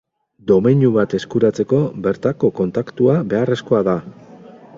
Domeinu bat eskuratzeko bertako kontaktua beharrezkoa da.